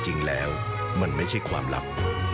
จริงแล้วมันไม่ใช่ความลับ